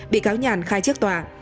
bị cáo nhàn khai trước tòa